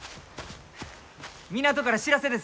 港から知らせです！